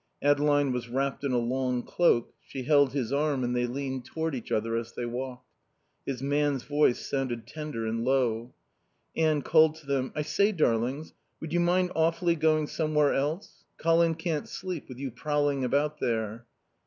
Adeline was wrapped in a long cloak; she held his arm and they leaned toward each other as they walked. His man's voice sounded tender and low. Anne called to them. "I say, darlings, would you mind awfully going somewhere else? Colin can't sleep with you prowling about there."